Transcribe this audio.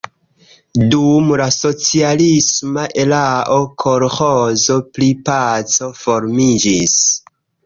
Dum la socialisma erao kolĥozo pri "Paco" formiĝis.